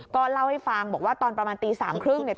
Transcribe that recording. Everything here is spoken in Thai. ก็เล่าให้ฟังบอกว่าตอนประมาณตี๓๓๐เนี่ย